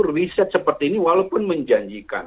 riset seperti ini walaupun menjanjikan